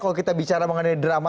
kalau kita bicara mengenai drama